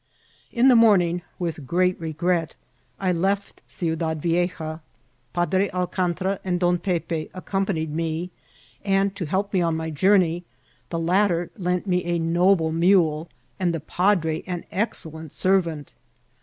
In the morning, with great regret, I left Ciudad Vie<* ja. Padre Alcantra and Don Pepe accompanied me, and, to help me on my journey, the latter lent me a noble mule, and the padre an excellent servant.